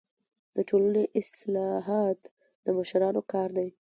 د ټولني اصلاحات د مشرانو کار دی.